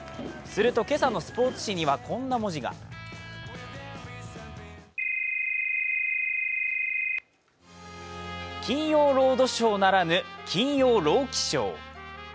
すると今朝のスポーツ紙にはこんな文字が「金曜ロードショー」ならぬ「金曜朗希ショー」。